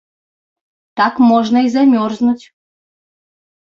Так можна і замерзнуць.